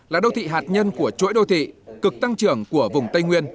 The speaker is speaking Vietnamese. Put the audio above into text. là đô thị hạt nhân của chuỗi đô thị cực tăng trưởng của vùng tây nguyên